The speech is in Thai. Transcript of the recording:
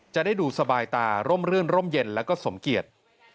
จะได้ดูสบายตาร่มรื่นร่มเย็นแล้วก็สมเกียจ